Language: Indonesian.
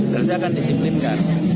dan saya akan disiplinkan